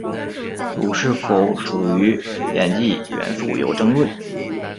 镥是否属于镧系元素有争论。